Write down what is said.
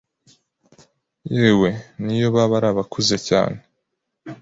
yewe n'iyo baba ari abakuze cyane